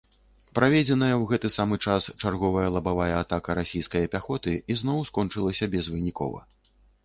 Праведзеная ў гэты самы час чарговая лабавая атака расійскае пяхоты ізноў скончылася безвынікова.